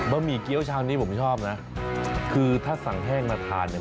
หมี่เกี้ยวชามนี้ผมชอบนะคือถ้าสั่งแห้งมาทานเนี่ย